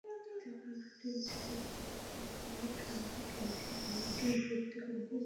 Japan Garden City flat মালিক কল্যাণ সমিতির কেন্দ্রীয় কমিটি বিলুপ্ত করা হয়েছে।